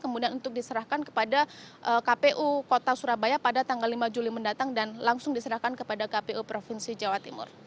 kemudian untuk diserahkan kepada kpu kota surabaya pada tanggal lima juli mendatang dan langsung diserahkan kepada kpu provinsi jawa timur